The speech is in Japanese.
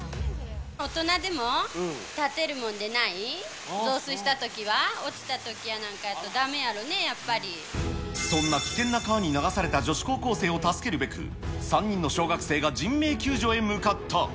大人でも立てるもんでない、増水したときは、落ちたときやなんかは、そんな危険な川に流された女子高校生を助けるべく、３人の小学生が人命救助へ向かった。